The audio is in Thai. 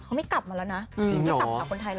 เขาไม่กลับมาแล้วนะ